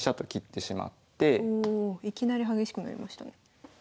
おいきなり激しくなりましたね。